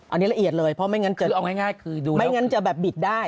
อันนี้ละเอียดเลยเพราะไม่งั้นจะบิดได้